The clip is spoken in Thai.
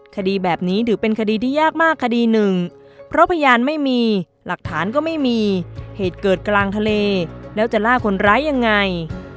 คดีแบบนี้ถือเป็นคดีที่ยากมากคดีหนึ่งเพราะพยานไม่มีหลักฐานก็ไม่มีเหตุเกิดกลางทะเลแล้วจะล่าคนร้ายยังไง